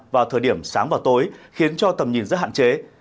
vào thời điểm sáng và tối khiến cho tầm nhìn rất hạn chế